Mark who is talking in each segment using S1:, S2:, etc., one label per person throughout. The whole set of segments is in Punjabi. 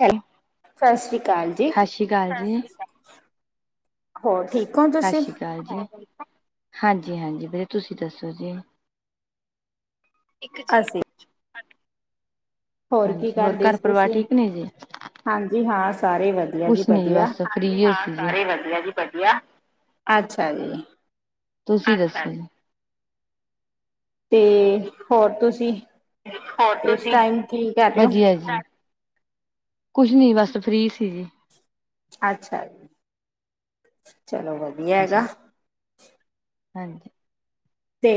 S1: ਹੈਲ ਸਤਿ ਸ੍ਰੀ ਅਕਾਲ ਜੀ।
S2: ਸਤਿ ਸ਼੍ਰੀ ਅਕਾਲ ਜੀ,
S1: ਹੋਰ ਠੀਕ। ਹੋ
S2: ਸਤਿ
S1: ਤੁਸੀਂ
S2: ਸ੍ਰੀ ਅਕਾਲ ਜੀ ਹਾਂਜੀ ਹਾਂਜੀ ਵੀਰੇ ਤੁਸੀਂ ਦੱਸੋ ਜੀ। ਇੱਕ
S1: ਅਸੀਂ
S2: ਜੀੱਟ [inaudible]
S1: ਕੀ
S2: ਹੋਰ
S1: ਕਰਦੇ
S2: ਘਰ
S1: ਸੀ
S2: ਪਰਿਵਾਰ
S1: ਤੁਸੀਂ
S2: ਠੀਕ ਨੇ ਜੀ।
S1: ਹਾਂਜੀ ਹਾਂ ਸਾਰੇ ਵਧੀਆ ਜੀ
S2: ਕੁਛ ਨੀ
S1: ਵਧੀਆ
S2: ਬਸ ਫ੍ਰੀ ਹੀ ਸੀ ਗੇ, ਹਾਂ ਸਾਰੇ ਵਧੀਆ ਜੀ ਵਧੀਆ।
S1: ਅੱਛਾ ਜੀ।
S2: ਤੁਸੀਂ ਦੱਸੋ।
S1: ਤੇ ਹੋਰ ਤੁਸੀਂ
S2: ਹੋਰ
S1: ਇਸ
S2: ਤੁਸੀਂ
S1: ਟਾਈਮ ਕੀ ਕਰ ਰਹੇ ਹੋ
S2: ਵਧੀਆ ਜੀ। ਕੁਛ ਨੀ ਬਸ ਫ੍ਰਰੀ ਸੀ ਜੀ।
S1: ਅੱਛਾ ਜੀ ਚਲੋ ਵਧੀਆ ਹੈਗਾ।
S2: ਹਾਂਜੀ।
S1: ਤੇ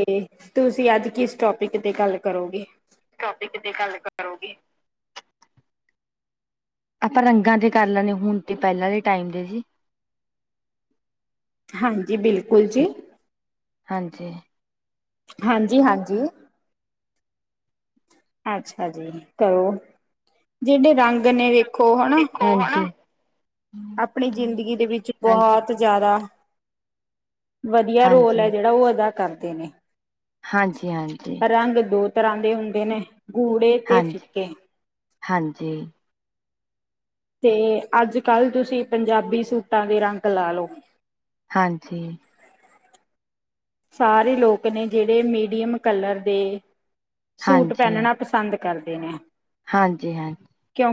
S1: ਤੁਸੀਂ ਅੱਜ ਕਿਸ ਟੋਪਿਕ ਤੇ ਗੱਲ ਕਰੋਗੇ।
S2: ਟੋਪਿਕ ਤੇ ਗੱਲ ਕਰੋਗੇ। ਆਪਾਂ ਰੰਗਾਂ ਤੇ ਕਰ ਲੈਣੇ ਹੁਣ ਤੇ ਪਹਿਲਾਂ ਦੇ ਟਾਈਮ ਦੇ ਜੀ।
S1: ਹਾਂਜੀ ਬਿਲਕੁਲ ਜੀ।
S2: ਹਾਂਜੀ।
S1: ਹਾਂਜੀ ਹਾਂਜੀ। ਅੱਛਾ ਜੀ ਕਰੋ ਜਿਹੜੇ ਰੰਗ ਨੇ ਵੇਖੋ ਹਨਾ
S2: ਦੇਖੋ, ਹਨਾ
S1: ਆਪਣੀ ਜ਼ਿੰਦਗੀ ਦੇ ਵਿੱਚ
S2: ਹਾਂਜੀ।
S1: ਬਹੁਤ ਜ਼ਿਆਦਾ ਵਧੀਆ ਰੋਲ ਹੈ ਜਿਹੜਾ, ਉਹ ਅਦਾ ਕਰਦੇ ਨੇ।
S2: ਹਾਂਜੀ-ਹਾਂਜੀ।
S1: ਰੰਗ ਦੋ ਤਰ੍ਹਾਂ ਦੇ ਹੁੰਦੇ ਨੇ, ਗੂੜੇ ਤੇ
S2: ਹਾਂਜੀ,
S1: ਫਿੱਕੇ।
S2: ਹਾਂਜੀ।
S1: ਤੇ ਅੱਜ-ਕੱਲ੍ਹ ਤੁਸੀਂ ਪੰਜਾਬੀ ਸੂਟਾਂ ਦੇ ਰੰਗ ਲਾ ਲਓ
S2: ਹਾਂਜੀ।
S1: ਸਾਰੇ ਲੋਕ ਨੇ ਜਿਹੜੇ ਮੀਡੀਅਮ ਕਲਰ ਦੇ ਸੂਟ ਪਹਿਨਣਾ ਪਸੰਦ ਕਰਦੇ ਨੇ।
S2: ਹਾਂਜੀ-ਹਾਂ।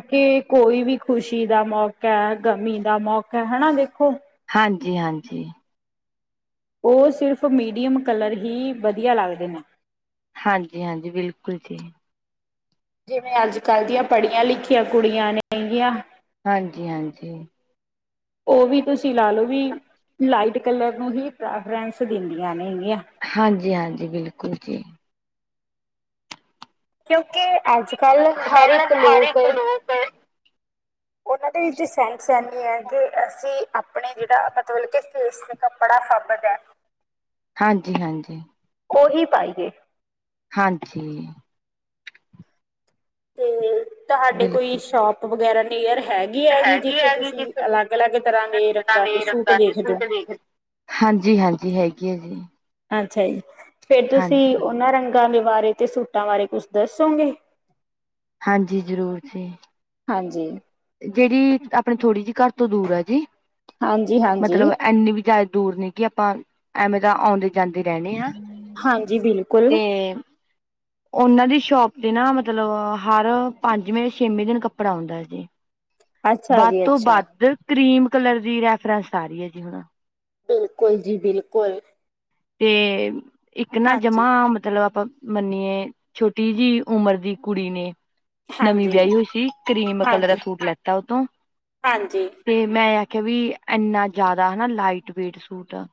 S1: ਕਿ ਕੋਈ ਵੀ ਖੁਸ਼ੀ ਦਾ ਮੌਕਾ, ਗਮੀ ਦਾ ਮੌਕਾ, ਹਨਾ ਦੇਖੋ?
S2: ਹਾਂਜੀ-ਹਾਂਜੀ।
S1: ਉਹ ਸਿਰਫ ਮੀਡੀਅਮ ਕਲਰ ਹੀ ਵਧੀਆ ਲੱਗਦੇ ਨੇ।
S2: ਹਾਂਜੀ-ਹਾਂਜੀ, ਬਿਲਕੁਲ ਜੀ।
S1: ਜਿਵੇਂ ਅੱਜ-ਕੱਲ੍ਹ ਦੀਆਂ ਪੜ੍ਹੀਆਂ-ਲਿਖੀਆਂ ਕੁੜੀਆਂ ਨੇ ਹੈਗੀਆਂ।
S2: ਹਾਂਜੀ-ਹਾਂਜੀ।
S1: ਉਹ ਵੀ ਤੁਸੀਂ ਲਾ ਲਓ ਵੀ ਲਾਈਟ ਕਲਰ ਨੂੰ ਹੀ ਪ੍ਰੈਫਰੈਂਸ ਦਿੰਦੀਆਂ ਨੇ।
S2: ਹਾਂਜੀ-ਹਾਂਜੀ, ਬਿਲਕੁਲ ਜੀ।
S1: ਕਿਉਂਕਿ ਅੱਜ-ਕੱਲ੍ਹ ਹਰ
S2: ਪਹਿਲਾਂ
S1: ਇੱਕ
S2: ਹਰ
S1: ਲੋਕ
S2: ਇੱਕ ਲੋਕ
S1: ਉਹਨਾਂ ਦੇ ਵਿੱਚ ਸੈਂਸ ਹੈਨੀ ਹੈ ਕਿ ਅਸੀਂ ਆਪਣੇ ਜਿਹੜਾ ਮਤਲਬ ਕਿ ਫੇਸ ਤੇ ਕੱਪੜਾ ਫ਼ਬਦਾ ਹੈ
S2: ਹਾਂਜੀ-ਹਾਂਜੀ।
S1: ਉਹੀ ਪਾਈਏ
S2: ਹਾਂਜੀ।
S1: ਤੇ ਤੁਹਾਡੇ ਕੋਈ
S2: ਬਿਲਕੁਲ
S1: ਸ਼ੋਪ ਵਗੈਰਾ ਨੀਅਰ ਹੈਗੀ-ਹੈਗੀ
S2: ਹੈਗੀ
S1: ਜਿੱਥੇ
S2: ਹੈਗੀ
S1: ਤੁਸੀਂ
S2: ਜੀ
S1: ਅਲੱਗ-ਅਲੱਗ ਤਰ੍ਹਾਂ ਦੇ ਰੰਗਾਂ ਦੇ ਸੂਟ ਦੇਖਦੇ ਹੋ?
S2: ਹਾਂਜੀ-ਹਾਂਜੀ ਹੈਗੀ ਹੈ ਜੀ।
S1: ਅੱਛਾ ਜੀ ਫੇਰ
S2: ਹਾਂਜੀ
S1: ਤੁਸੀਂ ਉਹਨਾਂ ਰੰਗਾਂ ਦੇ ਬਾਰੇ ਤੇ ਸੂਟਾਂ ਬਾਰੇ ਕੁਛ ਦੱਸੋਗੇ?
S2: ਹਾਂਜੀ, ਜ਼ਰੂਰ ਜੀ‌।
S1: ਹਾਂਜੀ।
S2: ਜਿਹੜੀ ਆਪਣੇ ਥੋੜ੍ਹੀ ਜਿਹੀ ਘਰ ਤੋਂ ਦੂਰ ਹੈ ਜੀ
S1: ਹਾਂਜੀ ਹਾਂਜੀ
S2: ਮਤਲਬ ਇਨੀ ਵੀ ਜ਼ਿਆਦ ਦੂਰ ਨੀ ਕਿ ਆਪਾਂ ਐਵੇਂ ਤਾਂ ਆਉਂਦੇ-ਜਾਂਦੇ ਰਹਿਣੇ ਹਾਂ।
S1: ਹਾਂਜੀ, ਬਿਲਕੁਲ।
S2: ਉਹਨਾਂ ਦੀ ਸ਼ੋਪ ਤੇ ਨਾ ਮਤਲਬ ਹਰ ਪੰਜਵੇਂ-ਛੇਵੇਂ ਦਿਨ ਕੱਪੜਾ ਆਉਂਦਾ ਹੈ ਜੇ।
S1: ਅੱਛਾ
S2: ਬੱਧ
S1: ਜੀ
S2: ਤੋਂ
S1: ਅੱਛਾ
S2: ਬੱਧ ਕਰੀਮ ਕਲਰ ਦੀ ਰੈਫਰੈਂਸ ਆ ਰੀ ਏ, ਜੀਵਣਾ।
S1: ਬਿਲਕੁਲ ਜੀ ਬਿਲਕੁਲ।
S2: ਤੇ ਇੱਕ ਨਾ ਜਮਾ
S1: ਹਾਂਜੀ
S2: ਮਤਲਬ ਅਪਾਂ ਮੰਨੀਏ ਛੋਟੀ ਜੀ ਉਮਰ ਦੀ ਕੁੜੀ ਨੇ ਨਵੀਂ
S1: ਹਾਂਜੀ
S2: ਵਿਆਹੀ ਹੋਈ ਸੀ, ਕਰੀਮ ਕਲਰ ਦਾ
S1: ਹਾਂਜੀ,
S2: ਸੂਟ ਲੈਤਾ ਉਤੋ
S1: ਹਾਂਜੀ,
S2: ਤੇ ਮੈਂ ਆ ਕਵੀ ਐਨਾ ਜੈਦਾ ਹਨਾ ਲਾਈਟ ਵੇਟ ਸੂਟ ਅ,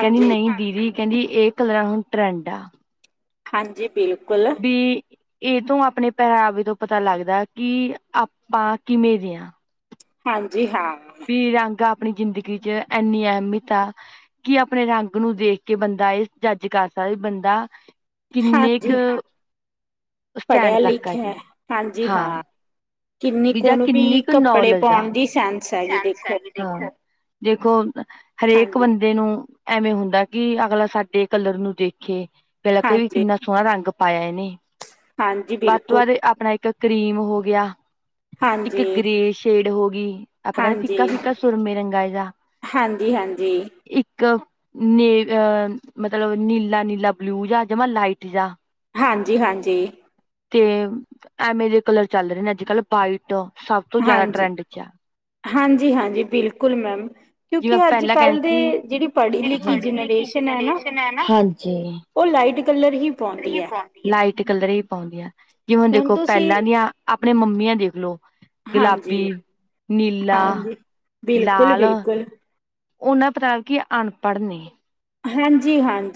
S2: ਕੈੰਦੀ ਨਹੀਂ ਵੀ ਕੈੰਦੀ, ਏ ਕਲਰਾਂ ਹੁਣ ਟਰੈਂਡ ਆ।
S1: ਹਾਂਜੀ, ਬਿਲ
S2: ਬੀ ਇਹ ਤੋਂ ਆਪਣੇ ਪੈਹਰਾਵੇ ਤੋਂ ਪਤਾ ਲੱਗਦੈ ਕਿ ਆਪਾਂ ਕਿਵੇਂ ਦੇ ਹਾਂ?
S1: ਹਾਂਜੀ, ਹਾਂ।
S2: ਬੀ ਰੰਗਾ ਅਪਣੀ ਜ਼ਿੰਦਗੀ ਚ ਏਨੀ ਅਹਿਮੀਅਤ ਆ ਕਿ ਅਪਣੇ ਰੰਗ ਨੂੰ ਦੇਖ ਕੇ ਬੰਦਾ ਇਸ ਜੱਜ ਕਰ ਸਈ ਬੰਦਾ, ਕਿੰਨੇ
S1: ਹਾਂਜੀ
S2: ਕ ਸਟੈਂਡ
S1: ਪੜ੍ਹਿਆ
S2: ਤੱਕ ਆ
S1: ਲਿਖਿਆ ਹੈ
S2: ਜੀ,
S1: ਹਾਂਜੀ
S2: ਹਾਂ।
S1: ਕਿੰਨੀ
S2: ਬੀ
S1: ਕੁ
S2: ਜਾ
S1: ਉਹਨੂੰ
S2: ਕਿੰਨੀ
S1: ਵੀ
S2: ਕ
S1: ਕੱਪੜੇ
S2: ਨੋਲੇਜ ਆ।
S1: ਪਾਉਣ ਦੀ ਸੈਂਸ ਹੈਗੀ ਦੇਖੋ
S2: ਦੇਖੋ, ਹਰੇਕ
S1: ਹਾਂਜੀ।
S2: ਬੰਦੇ ਨੂੰ ਐਵੇਂ ਹੁੰਦਾ ਕਿ ਅਗਲਾ ਸਾਡੇ ਕਲਰ ਨੂੰ ਦੇਖੇ ਪੈਲਾ ਕ ਵੀ
S1: ਹਾਂਜੀ,
S2: ਕਿੰਨਾ ਸੋਹਣਾ ਰੰਗ ਪਾਇਆ ਐਨੇ
S1: ਹਾਂਜੀ
S2: ਵੱਧ ਤੋਂ
S1: ਬਿਲਕੁਲ
S2: ਵੱਧ ਦੇ ਆਪਣਾ ਇੱਕ ਕਰੀਮ ਹੋ ਗਿਆ ਇੱਕ
S1: ਹਾਂਜੀ,
S2: ਗ੍ਰੇ ਸ਼ੇਡ ਹੋ ਗੀ। ਆਪਾਂ ਕੈਣੇ
S1: ਹਾਂਜੀ।
S2: ਫਿੱਕਾ-ਫਿੱਕਾ ਸੁਰਮੇ ਰੰਗਾ ਜਾ
S1: ਹਾਂਜੀ, ਹਾਂਜੀ,
S2: ਇੱਕ ਨੇ ਅਹ ਮਤਲਬ ਨੀਲਾ-ਨੀਲਾ ਬਲੂ ਜਾ ਜਮਾ ਲਾਈਟ ਜਿਹਾ।
S1: ਹਾਂਜੀ- ਹਾਂਜੀ
S2: ਤੇ ਐਵੇੇ ਜੇ ਕਲਰ ਚੱਲ ਰੇ ਨੇ ਅੱਜ-ਕੱਲ੍ਹ ਬਾਈਟ ਸਭ ਤੋਂ ਜੈਦਾ
S1: ਹਾਂਜੀ।
S2: ਟਰੈਂਡ 'ਚ ਆ।
S1: ਹਾਂਜੀ -ਹਾਂਜੀ ਬਿਲਕੁਲ ਮੈਮ ਕਿਉਂਕਿ
S2: ਜਿਵੇਂ ਪਹਿਲਾਂ ਕਹਿੰਦੇ
S1: ਅੱਜ-ਕੱਲ੍ਹ ਦੇ
S2: ਸੀ
S1: ਜਿੜੀ
S2: ਜਿਹੜੀ
S1: ਪੜ੍ਹੀ-ਲਿਖੀ
S2: ਪੜ੍ਹੀ
S1: ਜਨਰੇ
S2: ਲਿਖੀ ਜਨਰੇਸ਼ਨ ਹੈਨਾ ਹਾਂਜੀ।
S1: ਉਹ ਲਾਈਟ ਕਲਰ ਹੀ ਪਾਉਂਦੀ ਹੈ
S2: ਲਾਈਟ ਕਲਰ ਹੀ ਪਾਉਂਦੀਆਂ ਜਿਵੇਂ ਹੁਣ ਦੇਖੋ ਪੈਲਾਂ ਦੀਆਂ ਆ ਅਪਣੇ ਮੰਮੀਆਂ ਦੇਖ ਲੋ। ਗੁਲਾਬੀ,
S1: ਹਾਂਜੀ
S2: ਨੀਲਾ,
S1: ਹਾਂਜੀ,
S2: ਲਾਲ
S1: ਬਿਲਕੁਲ-ਬਿਲਕੁਲ,
S2: ਓਨਾਂ ਪ੍ਰਾਗ ਕਿ ਅਨਪੜ੍ਹ ਨੇ।
S1: ਹਾਂਜੀ ਹਾਂਜ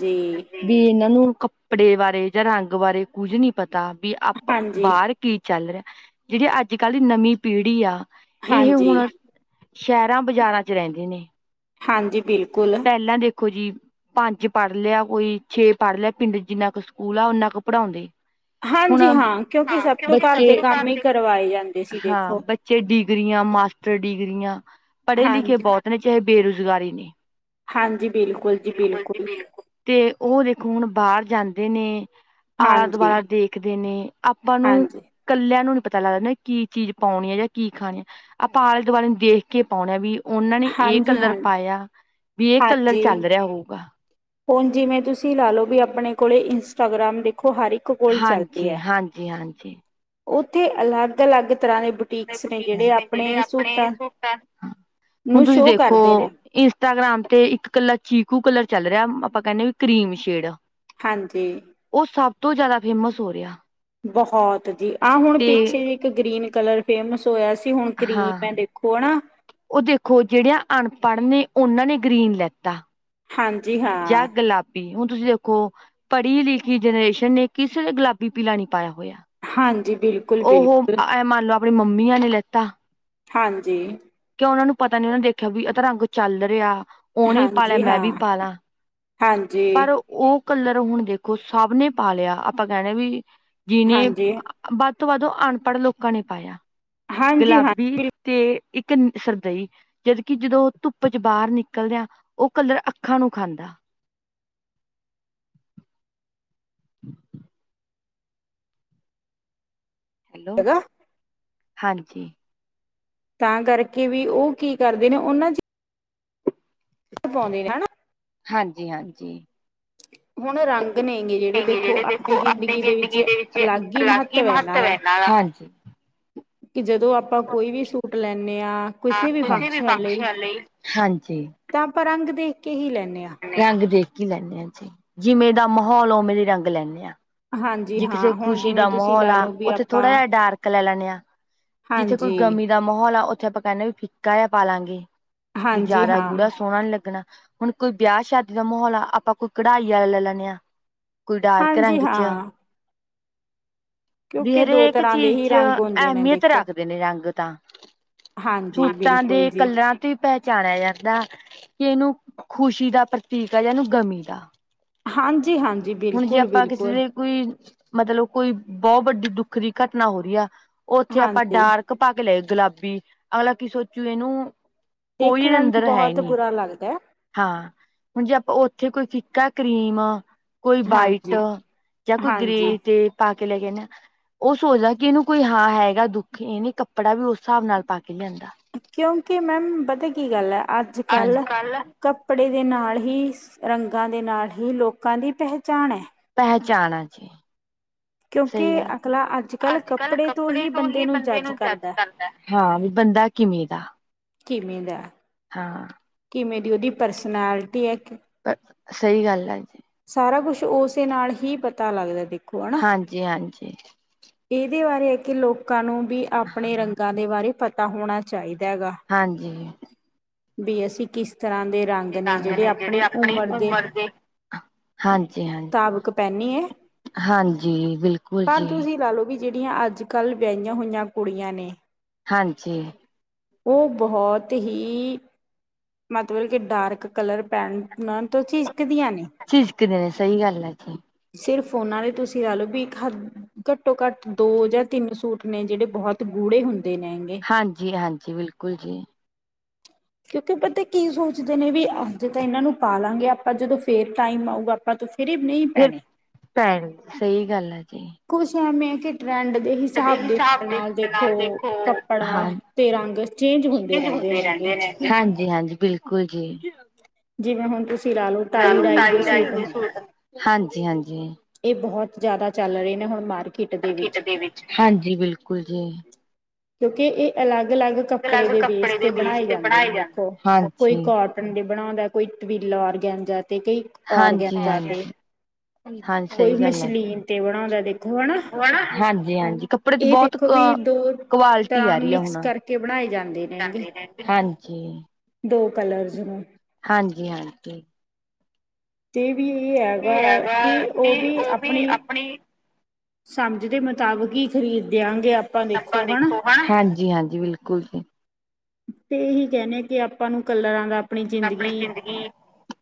S2: ਦੀ ਏਨਾਂ ਨੂੰ ਕੱਪੜੇ ਬਾਰੇ ਜਾਂ ਰੰਗ ਬਾਰੇ ਕੁੱਝ ਨੀ ਪਤਾ। ਵੀ ਆਪਾਂ
S1: ਹਾਂਜੀ। ਹਾਂਜੀ,
S2: ਬਾਰ ਕੀ ਚੱਲ ਰਿਐ, ਜਿਹੜੀ ਅੱਜ-ਕੱਲ੍ਹ ਦੀ ਨਮੀਂ ਪੀੜ੍ਹੀ ਆ। ਏਹ
S1: ਹਾਂਜੀ
S2: ਹੁਣ
S1: ਹਾਂਜੀ
S2: ਸੈ਼ਰਾਂ ਬਜ਼ਾਰਾਂ 'ਚ ਰੈੰਦੇ ਨੇ।
S1: ਹਾਂਜੀ ਬਿਲ
S2: ਪੈਲਾਂ ਦੇਖ ਖੋ ਜੀ ਪੰਜ ਪੜ੍ਹ ਲਿਆ ਕੋਈ ਛੇ ਪੜ੍ਹ ਲਿਆ ਪਿੰਡ 'ਚ ਜਿੰਨਾ ਕੁ ਸਕੂਲ ਆ ਔਨਾ ਕੁ ਪੜ੍ਹਾਉਂਦੇ। ਹੁਣ
S1: ਹਾਂਜੀ
S2: ਹਾਂ
S1: ਕਿਉਂਕਿ ਸਭ ਤੋਂ
S2: ਕਿਉਂਕਿ [inaudible] ਇਕੋ
S1: ਕੰਮ
S2: ਘਰ
S1: ਹੀ
S2: ਦੇ
S1: ਕਰਵਾਏ ਜਾਂਦੇ ਸੀ
S2: ਹਾਂ
S1: ਦੇਖੋ।
S2: ਬੱਚੇ ਡੀ ਡਿਗਰੀਆਂ ਮਾਸਟਰ ਡਿਗਰੀਆਂ ਪੜ੍ਹੇ-ਲਿਖੇ
S1: ਹਾਂਜੀ,
S2: ਬੌਤ ਨੇ ਜੇ ਬੇਰੁਜ਼ਗਾਰੀ ਨੇ।
S1: ਹਾਂਜੀ ਬਿਲਕੁਲ ਜੀ ਬਿਲਕੁਲ।
S2: ਓਹ ਦੇਖੋ ਹੁਣ ਬਾਰ ਜਾਂਦੇ ਨੇ।
S1: ਹਾਂਜੀ।
S2: ਆਲਾ-ਦੁਆਲਾ ਦੇਖਦੇ ਨੇ ਆਪਾਂ ਨੂੰ
S1: ਹਾਂਜੀ,
S2: ਕੱਲਿਆਂ ਨੂੰ ਪਤਾ ਲੱਗਾ ਨਾ ਕੀ ਚੀਜ਼ ਪਾਉਣੀ ਆ ਯਾ ਕੀ ਖਾਣੀ ਆ ਆਪਾਂ ਆਲੇ-ਦੁਆਲੇ ਨੂੰ ਦੇਖ ਕੇ ਪਾਉਣੈ ਵੀ ਓਨਾਂ ਨੇ ਏ
S1: ਹਾਂਜੀ-ਹਾਂਜੀ,
S2: ਕਲਰ ਪਾਯਾ।
S1: ਹਾਂਜੀ ਹੁਣ ਜਿਵੇਂ ਤੁਸੀਂ ਲਾ ਲੋ ਬੀ ਅਪਣੇ ਕੋਲੇ ਇੰਸਟਾਗ੍ਰਾ ਖੋ ਹਰ ਇੱਕ ਕੋਲ ਚੱਲਦੀ
S2: ਹਾਂਜੀ
S1: ਐ
S2: ਹਾਂਜੀ ਹਾਂਜੀ।
S1: ਓਥੇ ਅਲੱਗ-ਅਲੱਗ ਤਰ੍ਹਾਂ ਦੇ
S2: ਨਏ ਬੁਟੀਕਸ ਨੇ ਜੇੜੇ ਆਪਣੇ ਸੂਟਾ ਹੁਣ
S1: ਨੂੰ
S2: ਤੁਸੀਂ
S1: ਸ਼ੋਅ
S2: ਦੇਖੋ
S1: ਕਰਦੇ ਨੇ,
S2: ਇੰਸਟਾਗ੍ਰਾਮ ਤੇ ਇੱਕ ਕਲਾ ਚੀਕੂ ਕਲਰ ਚੱਲ ਰਿਐ, ਅਪਾਂ ਕੈਂਣੇ ਵੀ ਕਰੀਮ ਸ਼ੇਡ
S1: ਹਾਂਜੀ
S2: ਉਹ ਸਭ ਤੋਂ ਜ਼ਿਆਦਾ ਫੇਮਸ ਹੋ ਰਿਹਾ।
S1: ਬਹੁਤ ਜੀ ਆਹ ਹੁਣ
S2: ਤੇ
S1: ਪਿੱਛੇ ਜ ਇੱਕ ਗ੍ਰੀਨ ਕਲਰ ਫੇਮਸ ਹੋਇਆ ਸੀ। ਹੁਣ ਕਰੀਮ
S2: ਹਾਂ
S1: ਹੈ ਦੇਖੋ ਨਾ।
S2: ਉਹ ਦੇਖੋ ਜਿਹੜਿਆਂ ਅਨਪੜ੍ਹ ਨੇ ਉਹਨਾਂ ਨੇ ਗਰੀਨ ਲੈਤਾ।
S1: ਹਾਂਜੀ
S2: ਜਾਂ
S1: ਹਾਂ
S2: ਗੁਲਾਬੀ ਉ ਤੁਸੀਂ ਦੇਖੋ ਪੜ੍ਹੀ ਲਿਖੀ ਜਨਰੇਸ਼ਨ ਨੇ ਕਿਸੇ ਨੇ ਗੁਲਾਬੀ ਪੀਲਾ ਨੀ ਪਾਇਆ ਹੋਇਆ।
S1: ਹਾਂਜੀ ਬਿਲਕੁਲ
S2: ਉਹੋ
S1: ਬਿਲਕੁਲ
S2: ਇਹ ਮੰਨ ਲੈ ਆਪਣੀ ਮੰਮੀਆਂ ਨੇ ਲਿੱਤਾ।
S1: ਹਾਂਜੀ
S2: ਉਹਨਾਂ ਨੂੰ ਪਤਾ ਨੀ ਉਹਨੇ ਦੇਖਿਆ ਵੀ ਇਹ ਤਾਂ ਰੰਗ ਚੱਲ ਰਿਹਾ ਉਹਨੇ ਪਾ ਲਿਆ
S1: ਹਾਂਜੀ
S2: ਮੈਂ
S1: ਹਾਂ
S2: ਵੀ ਪਾਲਾਂ।
S1: ਹਾਂਜੀ
S2: ਕਲਰ ਹੁਣ ਦੇਖੋ ਸਭ ਨੇ ਪਾ ਲਿਆ ਆਪਾਂ ਕਹਿਣਾ ਵੀ ਜਿਹਨੇ
S1: ਹਾਂਜੀ
S2: ਬਾ ਤੋਂ ਵੱਧ ਉਹ ਅਨਪੜ੍ਹ ਲੋਕਾਂ ਨੇ ਪਾਇਆ
S1: ਹਾਂਜੀ ਹਾਂ
S2: ਗੁਲਾਬੀ
S1: ਬਿਲਕੁਲ
S2: ਤੇ ਇੱਕ ਸ਼ਰਦਈ ਜਦ ਕਿ ਜਦੋਂ ਧੁੱਪ 'ਚ ਬਾਹਰ ਨਿਕਲਦੇ ਹਾਂ ਅੱਖਾਂ ਨੂੰ ਖਾਂਦਾ। [inaudible] ਹੈਲੋ
S1: ਹੈਗਾ।
S2: ਹਾਂਜੀ
S1: ਤਾਂ ਕਰਕੇ ਵੀ ਉਹ ਕੀ ਕਰਦੇ ਨੇ ਉਹਨਾਂ 'ਚ ਪਾਉਂਦੇ ਨੇ ਹਨਾ
S2: ਹਾਂਜੀ ਹਾਂਜੀ
S1: ਹ [inaudible] ਹੁਣ ਰੰਗ ਨੇ ਗ ਜਿਹੜੇ ਦੇਖੋ ਆਪਣੀ ਜ਼ਿੰਦਗੀ ਦੇ ਵਿੱਚ ਅਲੱਗ ਹੀ ਮਹੱਤਵ ਹੈ ਇਹਨਾਂ ਦਾ
S2: ਹਾਂਜੀ
S1: ਕਿ ਜਦੋਂ ਆਪਾਂ ਕੋਈ ਵੀ ਸੂਟ ਲੇਨੇ ਹਾਂ ਕਿਸੇ ਵੀ ਫੰਕਸ਼ਨ ਲਈ ਤਾਂ ਆਪਾਂ ਰੰਗ ਦੇਖ ਕੇ ਹੀ ਲੈਂਦੇ ਹਾਂ
S2: ਰੰਗ ਦੇਖ ਹੀ ਲੇਨੇ ਹਾਂ ਜੀ ਜਿਵੇਂ ਦਾ ਮਾਹੌਲ ਉਵੇਂ ਦੇ ਰੰਗ ਲੈਂਦੇ ਹਾਂ।
S1: ਹਾਂਜੀ
S2: ਜੇ
S1: ਹਾਂ
S2: ਕਿਸੇ
S1: ਹੁਣ
S2: ਖੁਸ਼ੀ
S1: ਜਿਵੇਂ
S2: ਦਾ
S1: ਤੁਸੀਂ
S2: ਮਾਹੌਲ
S1: ਲਾ
S2: ਆ
S1: ਲਓ ਵੀ
S2: ਉੱਥੇ
S1: ਆਪਾਂ
S2: ਥੋੜਾ ਜਿਹਾ ਡਾਰਕ ਲੈ ਲੈਣੇ ਆ ਜਿੱਥੇ ਕੋਈ
S1: ਹਾਂਜੀ
S2: ਗਮੀ ਦਾ ਮਾਹੌਲ ਆ ਉੱਥੇ ਆਪਾਂ ਕਹਿੰਦੇ ਵੀ ਫਿੱਕਾ ਜ ਪਾ ਲਾਂਗੇ ਵੀ
S1: ਹਾਂਜੀ
S2: ਜਿਆਦਾ
S1: ਹਾਂ
S2: ਗੂੜਾ ਸੋਹਣਾ ਨੀ ਲੱਗਣਾ ਹੁਣ ਕੋਈ ਵਿਆਹ ਸ਼ਾਦੀ ਦਾ ਮਾਹੌਲ ਆ ਆਪਾਂ ਕੋਈ ਕਢਾਈ ਵਾਲਾ ਲੈ ਲੈਨੇ ਹਾਂ ਕੋਈ ਡਾਰਕ
S1: ਹਾਂਜੀ
S2: ਰੰਗ ਚ
S1: ਹਾਂ
S2: ਵੀ
S1: ਕਿਉਂਕਿ ਦੋ
S2: ਹਰੇਕ
S1: ਤਰ੍ਹਾਂ ਦੇ
S2: ਚੀਜ਼
S1: ਹੀ
S2: ਚ
S1: ਰੰਗ ਹੁੰਦੇ ਨੇ
S2: ਅਹਿਮੀਅਤ
S1: ਦੇਖੋ
S2: ਰੱਖਦੇ ਨੇ ਰੰਗ ਤਾਂ
S1: ਹਾਂਜੀ
S2: ਸੂਟਾਂ
S1: ਬਿਲਕੁਲ
S2: ਦੇ
S1: ਜੀ
S2: ਕਲਰਾਂ ਪਹਿਚਾਣਿਆ ਜਾਂਦਾ ਕਿ ਇਹਨੂੰ ਖੁਸ਼ੀ ਦਾ ਪ੍ਰਤੀਕ ਆ ਜਾਂ ਇਹਨੂੰ ਗਮੀ ਦਾ
S1: ਹਾਂਜੀ ਹਾਂਜੀ
S2: ਹੁਣ ਜੇ
S1: ਬਿਲਕੁਲ
S2: ਆਪਾਂ ਕਿਸੇ
S1: ਬਿਲਕੁਲ
S2: ਦੇ ਕੋਈ ਮਤਲਬ ਕੋਈ ਬਹੁਤ ਵੱਡੀ ਦੁੱਖ ਦੀ ਘਟਨਾ ਹੋ ਰਹੀ ਆ ਉਹ ਉੱਥੇ ਆਪਾਂ
S1: ਹਾਂਜੀ
S2: ਡਾਰਕ ਪਾ ਕੇ ਗੁਲਾਬੀ ਅਗਲਾ ਕੀ ਸੋਚੂ ਇਹਨੂੰ
S1: ਦੇਖਣ
S2: ਕੋਈ
S1: ਨਾਲ
S2: ਅੰਦਰ ਹੈ
S1: ਬਹੁਤ
S2: ਨਹੀ
S1: ਬੁਰਾ ਲੱਗਦਾ ਹੈ।
S2: ਹਾਂ ਹੁਣ ਜੇ ਆਪਾਂ ਕੋਈ ਫਿੱਕਾ ਕਰੀਮ ਕੋਈ ਵਾਈਟ
S1: ਹਾਂਜੀ
S2: ਜਾਂ ਕੋਈ
S1: ਹਾਂਜੀ
S2: ਗ੍ਰੇ ਤੇ ਉਹ ਸੋਚਦਾ ਕਿ ਇਹਨੂੰ ਕੋਈ ਹਾਂ ਹੈਗਾ ਦੁੱਖ ਇਹਨੇ ਕੱਪੜਾ ਵੀ ਉਸ ਹਿਸਾਬ ਨਾਲ ਪਾ ਕੇ ਲਿਆਂਦਾ
S1: ਕਿਉਂਕਿ ਮੈਮ ਪਤਾ ਕੀ ਗੱਲ ਹੈ ਅੱਜ
S2: ਹਾਂਜੀ
S1: ਕੱਲ ਕੱਪੜੇ ਦੇ ਨਾਲ ਹੀ ਸ ਰੰਗਾਂ ਦੇ ਨਾਲ ਹੀ ਲੋਕਾਂ ਦੀ ਪਹਿਚਾਣ ਹੈ
S2: ਪਹਿਚਾਣਾ ਜੇ ਸਹੀ ਗੱਲ ਅੱਜ ਕਲ ਕੱਪੜੇ ਤੋਂ ਹੀ ਬੰਦੇ ਨੂੰ ਜੱਜ ਕਰਦਾ ਬੰਦਾ ਕਿਵੇਂ ਦਾ।
S1: ਕਿਵੇਂ ਦਾ।
S2: ਹਾਂ
S1: ਕਿ ਮੇਰੀ ਉਹਦੀ ਪਰਸਨੈਲਿਟੀ ਹੈ।
S2: ਸਹੀ ਗੱਲ ਆ
S1: ਸਾਰਾ ਕੁਛ ਉਸੇ ਨਾਲ ਹੀ ਪਤਾ ਲੱਗਦਾ ਦੇਖੋ ਹਨਾ
S2: ਹਾਂਜੀ ਹਾਂਜੀ
S1: ਇਹਦੇ ਬਾਰੇ ਹੈ ਕਿ ਲੋਕਾਂ ਨੂੰ ਵੀ ਆਪਣੇ ਰੰਗਾਂ ਦੇ ਬਾਰੇ ਪਤਾ ਹੋਣਾ ਚਾਹੀਦਾ ਹੈਗਾ
S2: ਹਾਂਜੀ
S1: ਵੀ ਅਸੀਂ ਕਿਸ ਤਰ੍ਹਾਂ ਦੇ ਰੰਗ ਨੇ ਜਿਹੜੇ ਆਪਣੀ ਉਮਰ ਦੇ
S2: ਹਾਂਜੀ ਹਾਂਜੀ
S1: ਧਵਕ ਪਹਿਨੀ ਹੈ
S2: ਹਾਂਜੀ ਬਿਲਕੁਲ
S1: ਪਰ
S2: ਜੀ
S1: ਤੁਸੀਂ ਲਾ ਲਓ ਵੀ ਜਿਹੜੀਆਂ ਅੱਜ ਕੱਲ੍ਹ ਵਿਆਹੀਆਂ ਹੋਈਆਂ ਕੁੜੀਆਂ ਨੇ
S2: ਹਾਂਜੀ
S1: ਉਹ ਬਹੁਤ ਹੀ ਮਤਲਬ ਕਿ ਡਾਰਕ ਕਲਰ ਪੈਟ ਤੋਂ ਝੀਕਦੀਆਂ ਨੇ
S2: ਕਿ ਦੇ ਨੇ ਸਹੀ ਗੱਲ ਹੈ ਜੀ
S1: ਸਿਰਫ ਉਹਨਾਂ ਲਈ ਤੁਸੀਂ ਲਾ ਲਓ ਵੀ ਇੱਕ ਹੱ ਘੱਟੋ ਘੱਟ ਦੋ ਜਾਂ ਤਿੰਨ ਸੂਟ ਨੇ ਜਿਹੜੇ ਬਹੁਤ ਗੂੜੇ ਹੁੰਦੇ ਨੇਗੇ
S2: ਹਾਂਜੀ ਹਾਂਜੀ ਬਿਲਕੁਲ ਜੀ
S1: ਕਿਉਂਕਿ ਬੰਦੇ ਕੀ ਸੋਚਦੇ ਨੇ ਵੀ ਅੱਜ ਤਾਂ ਇਹਨਾਂ ਨੂੰ ਪਾਾਲਾਂਗੇ ਆਪਾਂ ਜਦੋਂ ਫੇਰ ਟਾਈਮ ਆਊਗਾ ਆਪਾਂ ਫਰੇ ਨਹੀਂ
S2: ਫਿਰ
S1: ਪੈਣੇ
S2: ਭੈਣ ਸਹੀ ਗੱਲ ਹੈ ਜੀ
S1: ਕੁਛ ਐਵੇਂ ਕਿ ਟਰੈਂਡ ਦੇ ਹਿਸਾਬ ਦੇ ਨਾਲ ਨਾਲ ਦੇਖੋ ਕੱਪੜਾ ਤੇ ਰੰਗ ਚੇਂਜ ਹੁੰਦੇ ਰਹਿੰਦੇ ਨੇਗੇ
S2: ਹਾਂਜੀ ਹਾਂਜੀ ਬਿਲਕੁਲ ਜੀ
S1: ਜਿਵੇਂ ਹੁਣ ਤੁਸੀਂ ਲਾ ਲਓ ਤਾਈ ਡਾਈ ਦੇ ਸੂਟ ਨੇ
S2: ਹਾਂਜੀ ਹਾਂਜੀ
S1: ਇਹ ਬਹੁਤ ਜਿਆਦਾ ਚੱਲ ਰਹੇ ਨੇ ਹੁਣ ਮਾਰਕਿਟ
S2: ਹਾਂਜੀ ਬਿਲਕੁਲ ਜੀ।
S1: ਕਿਉਂਕਿ ਇਹ ਅਲੱਗ ਅਲੱਗ ਕੱਪੜੇ ਦੇ ਬੇਸ ਤੇ ਬਣਾਏ ਜਾਂਦੇ ਨੇ ਦੇਖੋ ਕੋਈ ਕੋਟਨ ਦੇ ਬਣਾਉਂਦਾ ਕੋਈ ਟਵੀਲਾ ਔਰਗੈਨਜਾ ਤੇ ਕਈ
S2: ਹਾਂਜੀ
S1: ਔਰਗੈਨਜਾ ਤੇ
S2: ਹਾਂਜੀ ਹਾਂਜੀ
S1: ਕੋਈ
S2: ਸਹੀ ਗੱਲ ਹੈ
S1: ਮਸ਼ਲੀਨ ਤੇ ਬਣਾਉਂਦਾ ਦੇਖੋ ਹਨਾ।
S2: ਹਾਂਜੀ ਹਾਂਜੀ ਕੱਪੜੇ ਚ
S1: ਇਹ
S2: ਬਹੁਤ
S1: ਦੇਖੋ ਵੀ ਦੋ ਹੋਰ
S2: ਕੁਆਲਿਟੀ
S1: ਤਰ੍ਹਾਂ
S2: ਆ ਰਹੀ ਆ
S1: ਮਿਕਸ
S2: ਹੁਣ
S1: ਕਰਕੇ ਬਣਾਏ ਜਾਂਦੇ ਨੇਗੇ
S2: ਨੇ ਹਾਂਜੀ
S1: ਦੋ ਕਲਰਸ ਨੂੰ
S2: ਹਾਂਜੀ ਆਟੀ।
S1: ਤੇ ਵੀ ਇਹ ਹੈਗਾ ਵੀ ਉਹ ਵੀ ਆਪਣੀ ਸਮਝ ਦੇ ਮੁਤਾਬਕ ਹੀ ਖ਼ਰੀਦਦਿਆਂ ਗਿਆ
S2: ਆਪਾਂ ਦੇਖੋ ਹਨਾ, ਹਾਂਜੀ ਹਾਂਜੀ ਬਿਲਕੁਲ ਜੀ।
S1: ਤੇ ਇਹੀ ਕਹਿਣੇੇ ਆ ਕਿ ਆਪਾਂ ਨੂੰ ਕਲਰਾਂ ਦਾ ਆਪਣੀ ਜ਼ਿੰਦਗੀ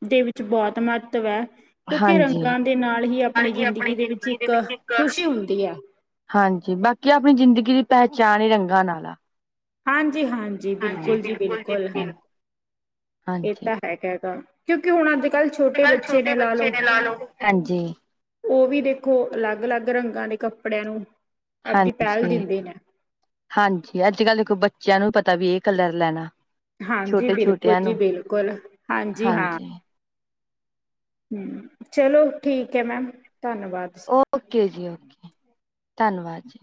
S1: ਦੇ ਵਿੱਚ ਬਹੁਤ ਮਹੱਤਵ ਹੈ। ਕਿਉਂਕਿ
S2: ਹਾਂਜੀ
S1: ਰੰਗਾਂ ਦੇ ਨਾਲ ਹੀ ਆਪਣੀ ਜ਼ਿੰਦਗੀ ਦੇ ਵਿੱਚ ਇੱਕ ਖ਼ੁਸ਼ੀ ਹੁੰਦੀ ਹੈ।
S2: ਹਾਂਜੀ ਬਾਕੀ ਆਪਣੀ ਜ਼ਿੰਦਗੀ ਦੀ ਪਹਿਚਾਣ ਹੀ ਰੰਗਾਂ ਨਾਲ ਆ। ਹਾਂਜੀ ਬਿਲਕੁਲ ਜੀ ਬਿਲਕੁਲ।
S1: ਇਹ
S2: ਹਾਂਜੀ
S1: ਤਾਂ ਹੈਗਾ ਹੈ ਗਾ ਕਿਉਂਕਿ ਹੁਣ ਅੱਜ ਕੱਲ੍ਹ ਛੋਟੇ ਬੱਚੇ ਨੇ ਲਾ ਲਓ ਉਹ ਵੀ ਦੇਖੋ ਅਲੱਗ ਅਲੱਗ ਰੰਗਾਂ ਦੇ ਕੱਪੜਿਆਂ ਨੂੰ ਆਪਦੀ ਪਹਿਲ
S2: ਹਾਂਜੀ
S1: ਦਿੰਦੇ ਨੇ
S2: ਹਾਂਜੀ ਅੱਜ ਕੱਲ੍ਹ ਦੇਖੋ ਬੱਚਿਆਂ ਨੂੰ ਪਤਾ ਵੀ ਇਹ ਕਲਰ ਲੈਣਾ।
S1: ਹਾਂਜੀ
S2: ਛੋਟੇ
S1: ਬਿਲਕੁਲ
S2: ਛੋਟਿਆਂ
S1: ਜੀ
S2: ਨੂੰ
S1: ਬਿਲਕੁਲ ਹਾਂਜੀ ਹਾਂ। ਹਮ ਚਲੋ ਠੀਕ ਹੈ ਮੈਮ ਧੰਨਵਾਦ
S2: ਓਕੇ ਜੀ ਓਕੇ ਧੰਨਵਾਦ ਜੀ।